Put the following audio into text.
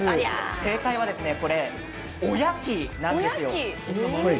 正解はおやきなんです。